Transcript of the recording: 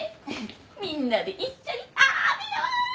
みんなで一緒にたべよう！